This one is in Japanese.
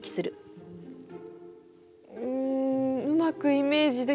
うんうまくイメージできない。